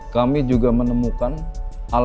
kami juga menemukan alat